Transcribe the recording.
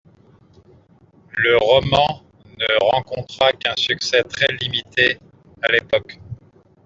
Le roman ne rencontra qu'un succès très limité à l'époque.